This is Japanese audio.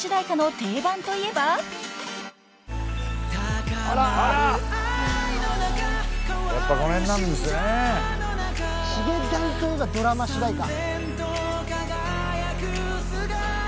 ヒゲダンといえばドラマ主題歌。